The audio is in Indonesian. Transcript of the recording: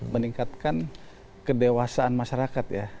meningkatkan kedewasaan masyarakat ya